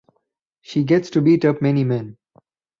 She gets to beat up many men.